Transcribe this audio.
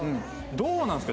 どうなんですか？